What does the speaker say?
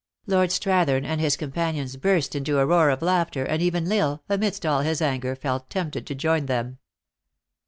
Lord Strathern and his companions burst into a roar of laughter, and even L Isle, amidst all his anger, felt tempted to join them.